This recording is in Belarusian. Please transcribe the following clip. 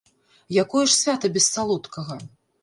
Якое ж свята без салодкага?